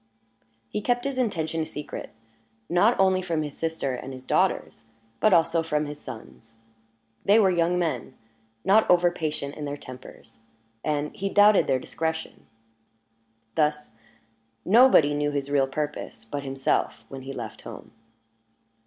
He kept his intention a secret not only from his sister and his daughters, but also from his sons; they were young men, not overpatient in their tempers, and he doubted their discretion. Thus, nobody knew his real purpose but himself when he left home.